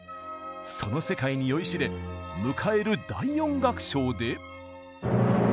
その世界に酔いしれ迎える第４楽章で。